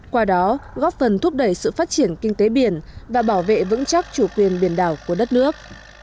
qua đó góp phần thúc đẩy sự phát triển kinh tế biển và bảo vệ vững chắc chủ quyền biển đảo của đất nước